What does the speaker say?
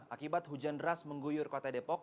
akibat hujan deras mengguyur kota depok